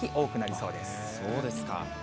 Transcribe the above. そうですか。